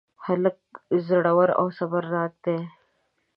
هلک زړور او صبرناک دی.